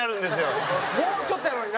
蛍原：もうちょっとやのにな。